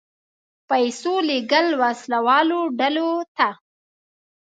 پیسو لېږل وسله والو ډلو ته.